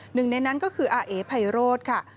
หนึ่งในนั้นก็คืออาเอไพโรธค่ะ